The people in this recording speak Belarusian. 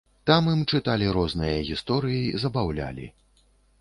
Там ім чыталі розныя гісторыі, забаўлялі.